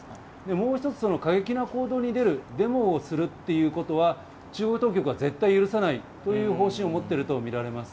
もう１つ過激な報道に出る、デモをするということは中国当局は絶対許さないという方針を持っているとみられます。